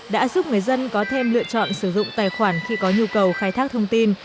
đã giúp người dân có thêm lựa chọn sử dụng tài khoản khi có nhu cầu khai thác thông tin